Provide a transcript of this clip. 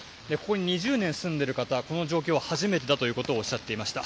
２０年住んでいる方はこの状況は初めてだとおっしゃっていました。